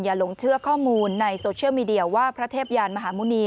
หลงเชื่อข้อมูลในโซเชียลมีเดียว่าพระเทพยานมหาหมุณี